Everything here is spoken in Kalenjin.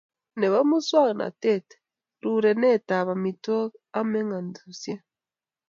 Nebo muswoknatet, rerunetab amitwogik ak mengotosyek